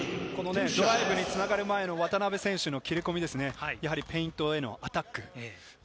ドライブにつながる前の渡邊選手の切り込み、ペイントへのアタック。